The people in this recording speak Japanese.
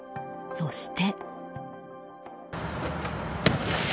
そして。